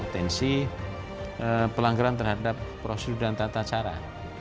potensi pelanggaran terhadap prosedur dan tata cara